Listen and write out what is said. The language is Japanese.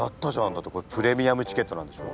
だってこれプレミアムチケットなんでしょ？